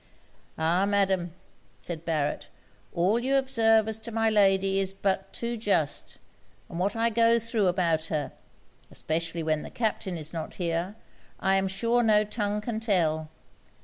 'Ah! Madam,' said Barret, 'all you observe as to my lady is but too just; and what I go thro' about her, (especially when the Captain is not here) I am sure no tongue can tell.